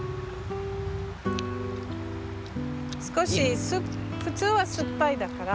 少し普通は酸っぱいだから。